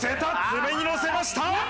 爪に乗せました。